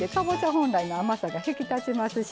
本来の甘さが引き立ちますしね